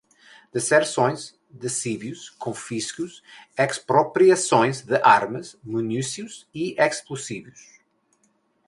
Deserções, Desvios, Confiscos, Expropriações de Armas, Munições e Explosivos